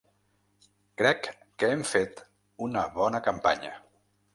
Crec que hem fet una bona campanya.